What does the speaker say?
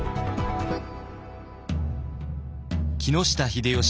木下秀吉